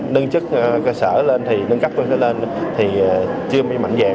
nâng chức cơ sở lên nâng cấp cơ sở lên thì chưa mạnh dạng